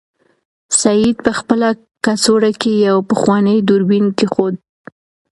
سعید په خپله کڅوړه کې یو پخوانی دوربین کېښود.